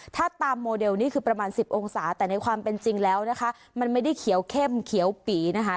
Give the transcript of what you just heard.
ถ้าตามโมเดลนี่คือประมาณ๑๐องศาแต่ในความเป็นจริงแล้วนะคะมันไม่ได้เขียวเข้มเขียวปีนะคะ